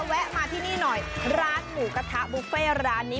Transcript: แวะมาที่นี่หน่อยร้านหมูกระทะบุฟเฟ่ร้านนี้